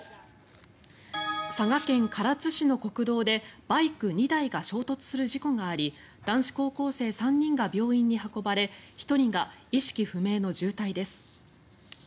佐賀県唐津市の国道でバイク２台が衝突する事故があり男子高校生３人が病院に運ばれ１人が意識不明の重体です。